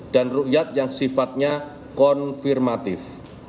dan ruyat yang sifatnya konfirmatif